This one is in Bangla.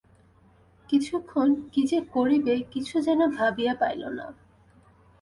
কিছুক্ষণ, কি যে করিবে কিছু যেন ভাবিয়া পাইল না।